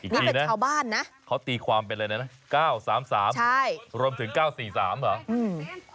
นี่เห็นไหมชาวบ้านนะเขาตีความเป็นอะไรเลยนะ๙๓๓รวมถึง๙๔๓เหรอ